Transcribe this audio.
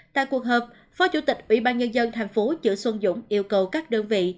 tại cuộc họp phó chủ tịch ủy ban nhân dân thành phố chữ xuân dũng yêu cầu các đơn vị